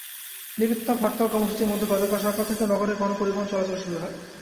নিরুত্তাপ হরতাল কর্মসূচির মধ্যে গতকাল সকাল থেকে নগরে গণপরিবহন চলাচল শুরু হয়।